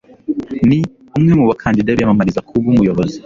Ni umwe mu bakandida biyamamariza kuba umuyobozi.